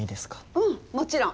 うんもちろん。